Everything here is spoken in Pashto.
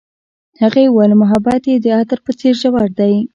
هغې وویل محبت یې د عطر په څېر ژور دی.